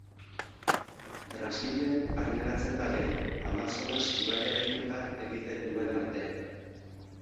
Brasilen barneratzen da gero, Amazonas ibaiarekin bat egiten duen arte.